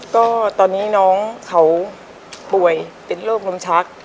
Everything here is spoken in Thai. ก็ตอนนี้น้องเขาป่วยเป็นโรคลมชัก